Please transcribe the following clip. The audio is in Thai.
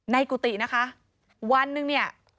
กุฏินะคะวันหนึ่งเนี่ย